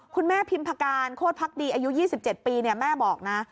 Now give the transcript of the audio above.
พิมพการโคตรพักดีอายุ๒๗ปีแม่บอกนะ